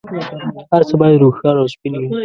هر څه باید روښانه او سپین وي.